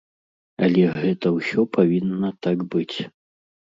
Але гэта ўсё павінна так быць.